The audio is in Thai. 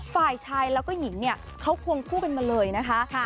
ฝ่ายชายแล้วก็หญิงเนี่ยเขาควงคู่กันมาเลยนะคะ